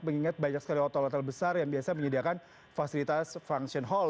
mengingat banyak sekali hotel hotel besar yang biasa menyediakan fasilitas function hall